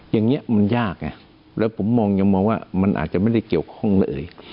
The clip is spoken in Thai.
อย่างนี้มันยากไงแล้วผมมองยังมองว่ามันอาจจะไม่ได้เกี่ยวข้องเลย